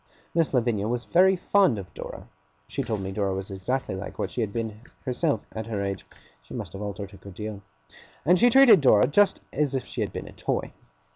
Miss Lavinia was very fond of Dora (she told me Dora was exactly like what she had been herself at her age she must have altered a good deal), and she treated Dora just as if she had been a toy.